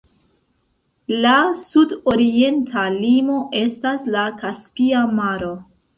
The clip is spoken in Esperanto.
La sudorienta limo estas la Kaspia Maro.